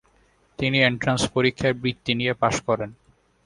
তিনি এন্ট্রান্স পরীক্ষায় বৃত্তী নিয়ে পাস করেন।